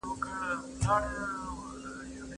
آیا د ملکیار هوتک شعرونه د پښتنو په حجرو کې ویل کېږي؟